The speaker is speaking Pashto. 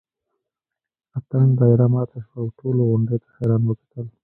اتڼ دایره ماته شوه او ټولو غونډۍ ته حیران وکتل.